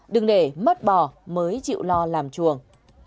đừng để mất bò mới chịu lo làm chuồng